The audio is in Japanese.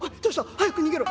早く逃げろ」。